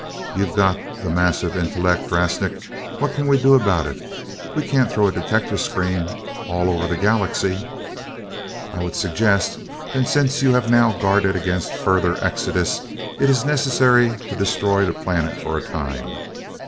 You've got the massive intellect, Drasnik. What can we do about it? We can't throw a detector screen all over the Galaxy." "I would suggest that since you have now guarded against further exodus, it is necessary to destroy the planet for a time.